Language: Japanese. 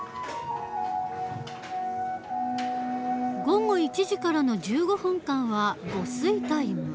午後１時からの１５分間は午睡タイム。